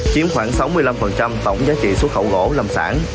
chiếm khoảng sáu mươi năm tổng giá trị xuất khẩu gỗ lâm sản